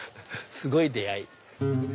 すごい出会い。